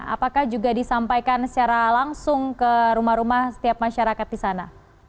apakah juga disampaikan secara langsung ke rumah rumah setiap masyarakat di sana